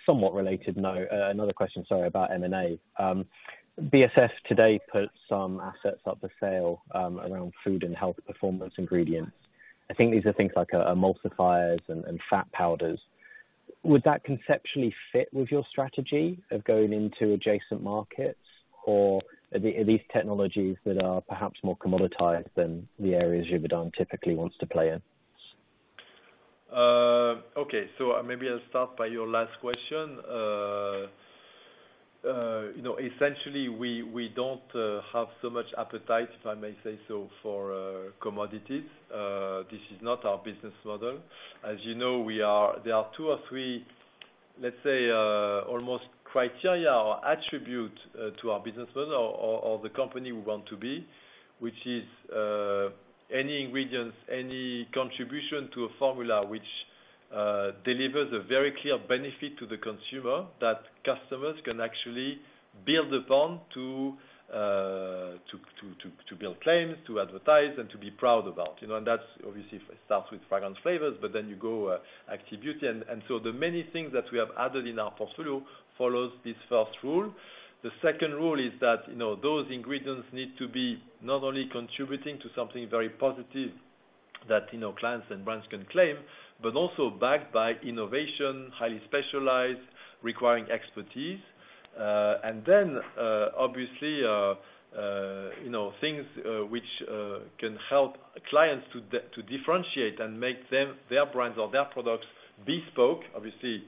somewhat related note, another question, sorry, about M&A. BASF today put some assets up for sale around food and health performance ingredients. I think these are things like emulsifiers and fat powders. Would that conceptually fit with your strategy of going into adjacent markets, or are these technologies that are perhaps more commoditized than the areas Givaudan typically wants to play in? Okay. Maybe I'll start by your last question. You know, essentially, we don't have so much appetite, if I may say so, for commodities. This is not our business model. As you know, there are two or three, let's say, almost criteria or attribute to our business model or the company we want to be, which is any ingredients, any contribution to a formula which delivers a very clear benefit to the consumer that customers can actually build upon to build claims, to advertise, and to be proud about. You know, and that's obviously starts with fragrance flavors, but then you go Active Beauty. The many things that we have added in our portfolio follows this first rule. The second rule is that, you know, those ingredients need to be not only contributing to something very positive that, you know, clients and brands can claim, but also backed by innovation, highly specialized, requiring expertise. Then, obviously, you know, things which can help clients to differentiate and make them, their brands or their products bespoke. Obviously,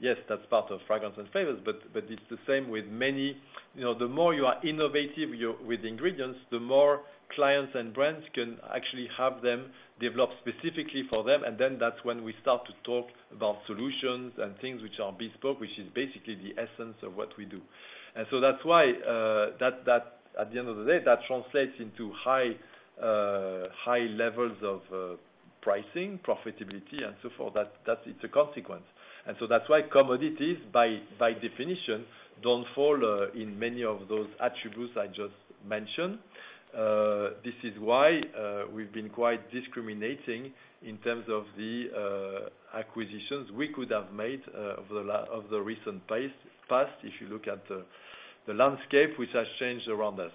yes, that's part of fragrance and flavors, but it's the same with many. You know, the more you are innovative with ingredients, the more clients and brands can actually have them developed specifically for them. That's when we start to talk about solutions and things which are bespoke, which is basically the essence of what we do. That's why at the end of the day, that translates into high levels of pricing, profitability, and so forth. That's. It's a consequence. That's why commodities by definition don't fall in many of those attributes I just mentioned. This is why we've been quite discriminating in terms of the acquisitions we could have made of the recent past, if you look at the landscape which has changed around us.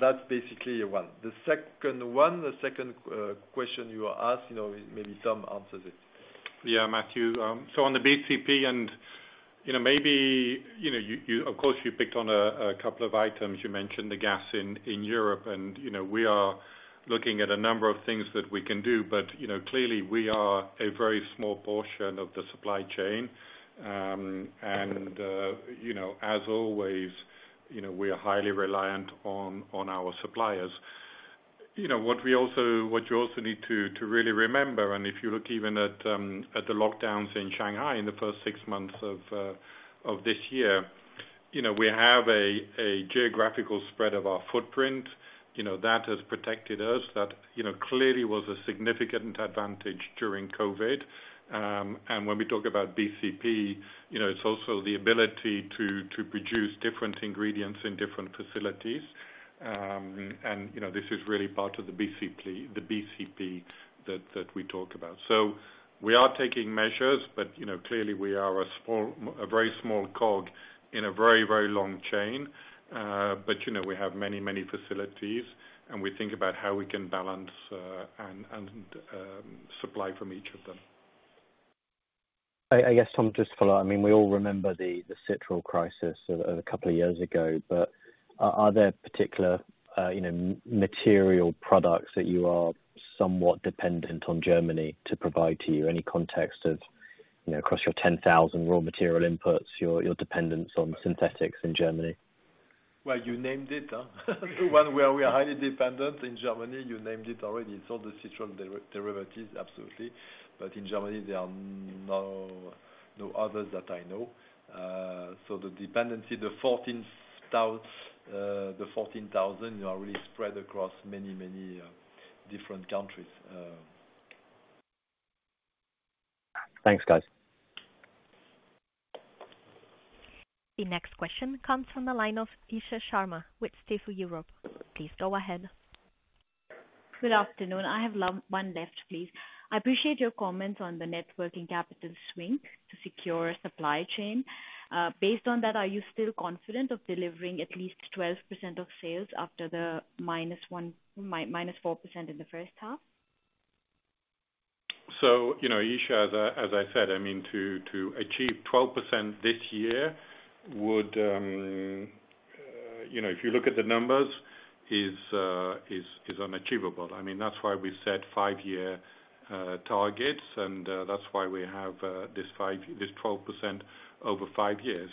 That's basically one. The second question you asked, you know, maybe Tom answers it. Yeah, Matthew. On the BCP, of course, you picked on a couple of items. You mentioned the gas in Europe and, you know, we are looking at a number of things that we can do. You know, clearly we are a very small portion of the supply chain. As always, you know, we are highly reliant on our suppliers. You know, what you also need to really remember, and if you look even at the lockdowns in Shanghai in the first six months of this year, you know, we have a geographical spread of our footprint. You know, that has protected us. That, you know, clearly was a significant advantage during COVID. When we talk about BCP, you know, it's also the ability to produce different ingredients in different facilities. You know, this is really part of the BCP that we talk about. We are taking measures, but you know, clearly we are a very small cog in a very long chain. You know, we have many facilities, and we think about how we can balance and supply from each of them. I guess, Tom, just to follow up. I mean, we all remember the citral crisis of a couple of years ago. Are there particular, you know, material products that you are somewhat dependent on Germany to provide to you? Any context of, you know, across your 10,000 raw material inputs, your dependence on synthetics in Germany? Well, you named it, huh? One where we are highly dependent in Germany, you named it already. The citral derivatives, absolutely. In Germany, there are no others that I know. The dependency, the 14,000 are really spread across many, many different countries. Thanks, guys. The next question comes from the line of Isha Sharma with Stifel Europe. Please go ahead. Good afternoon. I have one left, please. I appreciate your comments on the net working capital swing to secure supply chain. Based on that, are you still confident of delivering at least 12% of sales after the -4% in the first half? You know, Isha, as I said, I mean, to achieve 12% this year would, you know, if you look at the numbers, is unachievable. I mean, that's why we set five-year targets, and that's why we have this 12% over five years.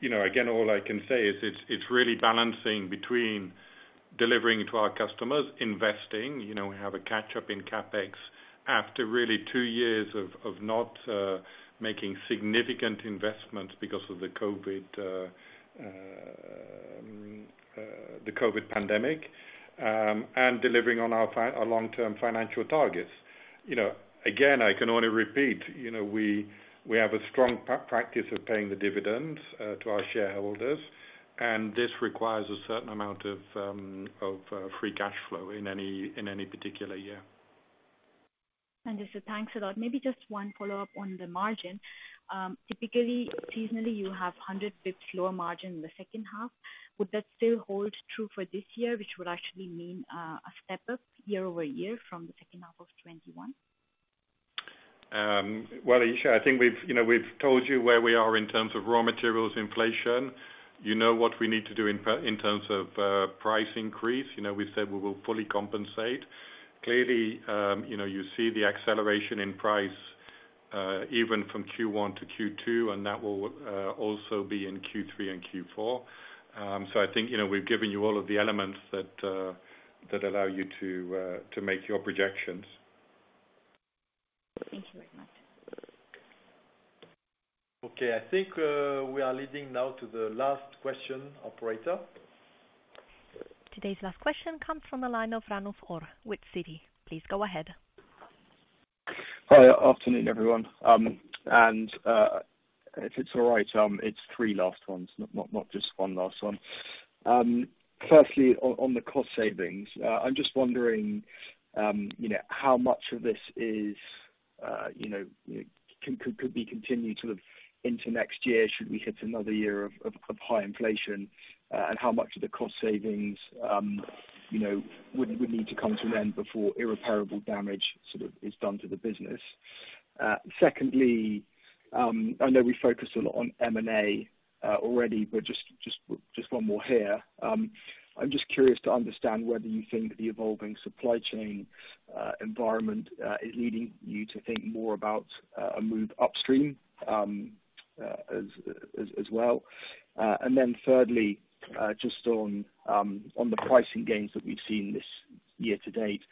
You know, again, all I can say is it's really balancing between delivering to our customers, investing, you know, we have a catch-up in CapEx after really two years of not making significant investments because of the COVID pandemic, and delivering on our long-term financial targets. You know, again, I can only repeat, you know, we have a strong practice of paying the dividends to our shareholders, and this requires a certain amount of free cash flow in any particular year. Understood. Thanks a lot. Maybe just one follow-up on the margin. Typically, seasonally, you have 100 basis points lower margin in the second half. Would that still hold true for this year, which would actually mean a step up year-over-year from the second half of 2021? Well, Isha, I think we've, you know, we've told you where we are in terms of raw materials inflation. You know what we need to do in terms of price increase. You know, we said we will fully compensate. Clearly, you know, you see the acceleration in price even from Q1 to Q2, and that will also be in Q3 and Q4. I think, you know, we've given you all of the elements that allow you to make your projections. Thank you very much. Okay. I think, we are leading now to the last question, operator. Today's last question comes from the line of Ranulf Orr with Citi. Please go ahead. Hi. Afternoon, everyone. If it's all right, it's three last ones, not just one last one. Firstly, on the cost savings, I'm just wondering, you know, how much of this is, you know, could be continued sort of into next year should we hit another year of high inflation? How much of the cost savings, you know, would need to come to end before irreparable damage sort of is done to the business? Secondly, I know we focused a lot on M&A already, but just one more here. I'm just curious to understand whether you think the evolving supply chain environment is leading you to think more about a move upstream, as well. Thirdly, just on the pricing gains that we've seen this year-to-date,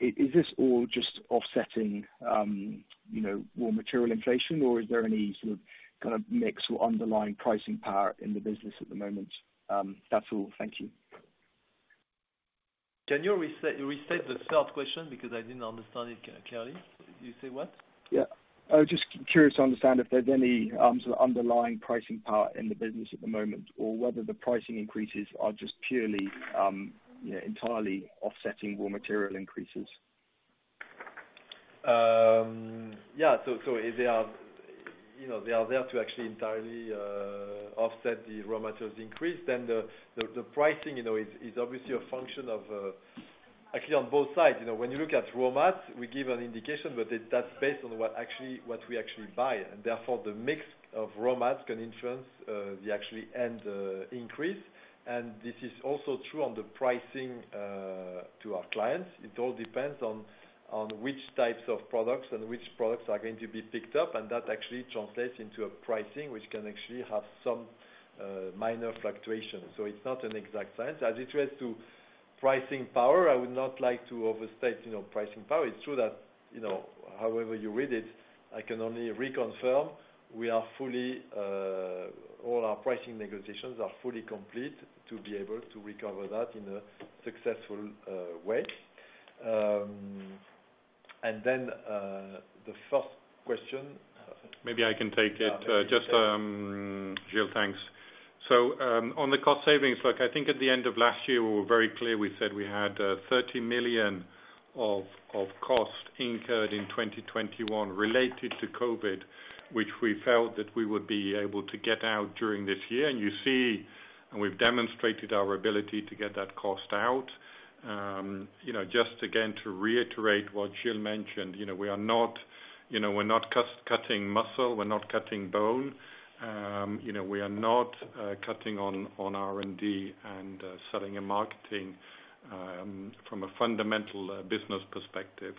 is this all just offsetting, you know, raw material inflation, or is there any sort of kind of mix or underlying pricing power in the business at the moment? That's all. Thank you. Can you restate the third question because I didn't understand it clearly. You say what? Yeah. I was just curious to understand if there's any sort of underlying pricing power in the business at the moment or whether the pricing increases are just purely, you know, entirely offsetting raw material increases? Yeah. They are there to actually entirely offset the raw materials increase. The pricing, you know, is obviously a function of actually on both sides. You know, when you look at raw mats, we give an indication, but that's based on what we actually buy. Therefore, the mix of raw mats can influence the actual end increase. This is also true on the pricing to our clients. It all depends on which types of products and which products are going to be picked up, and that actually translates into a pricing, which can actually have some minor fluctuations. It's not an exact science. As it relates to pricing power, I would not like to overstate, you know, pricing power. It's true that, you know, however you read it, I can only reconfirm we are fully, all our pricing negotiations are fully complete to be able to recover that in a successful, way. The first question. Maybe I can take it. Just, Gilles, thanks. On the cost savings, look, I think at the end of last year, we were very clear. We said we had 30 million of cost incurred in 2021 related to COVID, which we felt that we would be able to get out during this year. You see, we've demonstrated our ability to get that cost out. You know, just again, to reiterate what Gilles mentioned, you know, we are not, you know, we're not cutting muscle, we're not cutting bone. You know, we are not cutting on R&D and sales and marketing from a fundamental business perspective.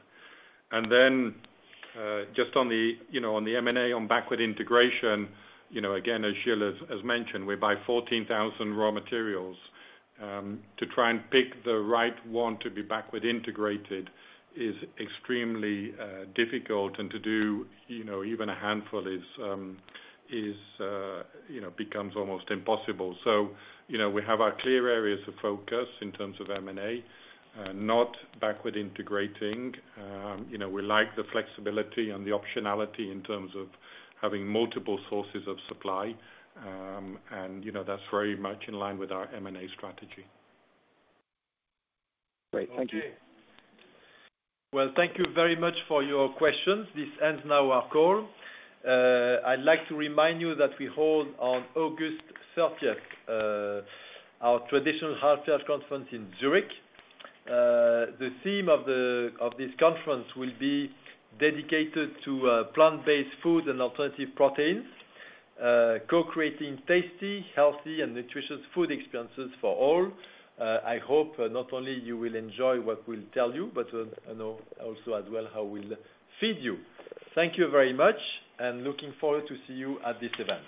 Just on the M&A on backward integration, you know, again, as Gilles has mentioned, we buy 14,000 raw materials to try and pick the right one to be backward integrated is extremely difficult. To do, you know, even a handful is, you know, becomes almost impossible. You know, we have our clear areas of focus in terms of M&A, not backward integrating. You know, we like the flexibility and the optionality in terms of having multiple sources of supply. You know, that's very much in line with our M&A strategy. Great. Thank you. Okay. Well, thank you very much for your questions. This ends now our call. I'd like to remind you that we hold on August 30th our traditional half year conference in Zurich. The theme of this conference will be dedicated to plant-based food and alternative proteins, co-creating tasty, healthy, and nutritious food experiences for all. I hope not only you will enjoy what we'll tell you, but you know, also as well how we'll feed you. Thank you very much, and looking forward to see you at this event.